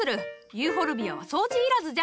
ユーフォルビアは掃除いらずじゃ。